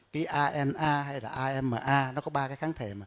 cái ana hay là ama nó có ba cái kháng thể